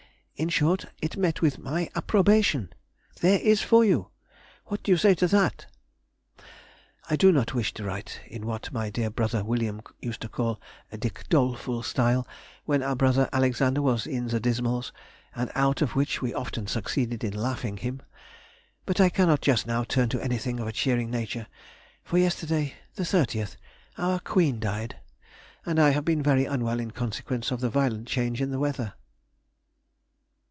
In short, it met with my approbation! There is for you! What do you say to that? I do not wish to write in what my dear brother William used to call a Dick Doleful style, when our brother Alexander was in the dismals, and out of which we often succeeded in laughing him. But I cannot just now turn to anything of a cheering nature, for yesterday, the 30th, our Queen died, and I have been very unwell in consequence of the violent change in the weather....